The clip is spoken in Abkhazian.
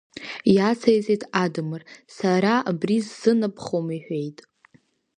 Инациҵеит Адамыр, сара абри сзынаԥхом иҳәеит.